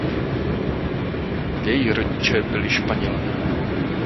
Její rodiče byli Španělé.